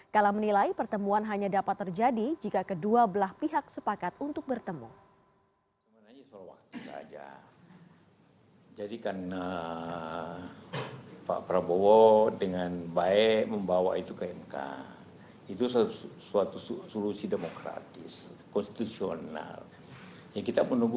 kala menilai pertemuan hanya dapat terjadi jika kedua belah pihak sepakat untuk bertemu